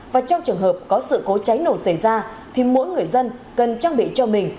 và trong trường hợp có sự cố cháy nổ xảy ra thì mỗi người dân cần trang bị cho mình